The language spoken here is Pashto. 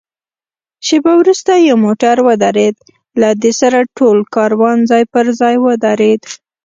شېبه وروسته یو موټر ودرېد، له دې سره ټول کاروان ځای پر ځای ودرېد.